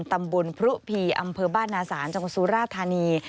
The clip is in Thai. ตำบลพรุพีอำเภอบ้านนาศาลจังหวัดสุราธานี